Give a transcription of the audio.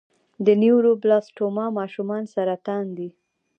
د نیوروبلاسټوما د ماشومانو سرطان دی.